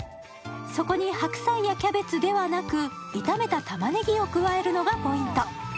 そこに白菜やキャベツではなく、炒めたたまねぎを加えるのがポイント。